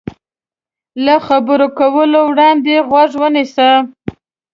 له خبرو کولو وړاندې غوږ ونیسه.